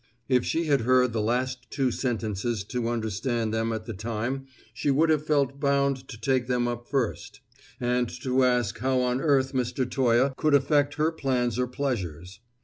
If she had heard the last two sentences, to understand them at the time she would have felt bound to take them up first, and to ask how on earth Mr. Toye could affect her plans or pleasures.